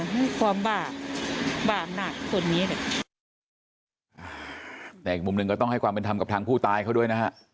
ในอีกมุมหนึ่งก็ต้องให้ความเป็นธรรมกับทางผู้ตายเข้าด้วยนะฮะ